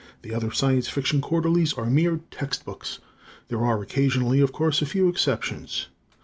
The other science fiction quarterlies are mere text books; there are, occasionally, of course, a few exceptions.